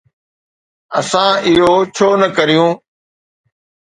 اسان اهو ڇو نه ڪريون؟